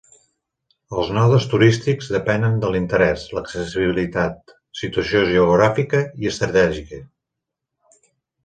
Els nodes turístics depenen de l'interès, l'accessibilitat, situació geogràfica i estratègica.